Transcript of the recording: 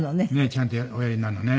ちゃんとおやりになるのね。